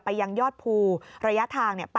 ไปยังยอดภูระยะทางเนี่ย